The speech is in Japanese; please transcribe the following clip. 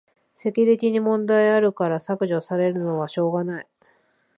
セキュリティに問題あるから削除されるのはしょうがない